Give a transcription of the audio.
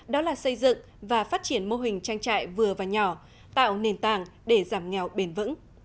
đó là xây dựng và phát triển mô hình trang trại vừa và nhỏ tạo nền tảng để giảm nghèo bền vững